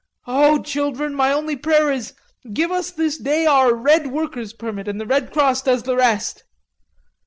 Oh, children, my only prayer is 'give us this day our red worker's permit' and the Red Cross does the rest."